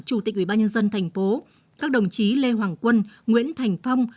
chủ tịch ubnd thành phố các đồng chí lê hoàng quân nguyễn thành phong